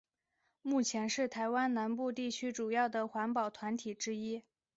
目前是台湾南部地区主要的环保团体之一。